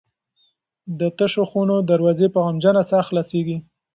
د تشو خونو دروازې په غمجنه ساه خلاصیږي.